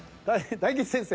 大吉先生